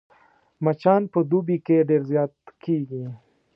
مچان په دوبي کې ډېر زيات کېږي